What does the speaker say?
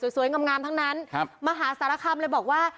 สวยงำงามทั้งนั้นครับมหาสารคำเลยบอกว่า